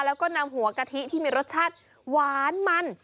แล้วก็นำหัวกะทิที่มีรสชาติหวานมัน